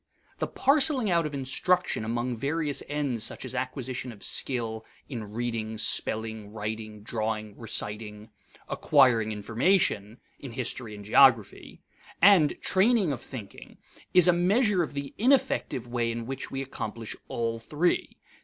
The parceling out of instruction among various ends such as acquisition of skill (in reading, spelling, writing, drawing, reciting); acquiring information (in history and geography), and training of thinking is a measure of the ineffective way in which we accomplish all three.